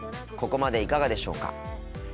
ここまでいかがでしょうか？